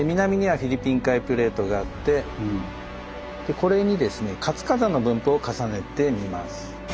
これにですね活火山の分布を重ねてみます。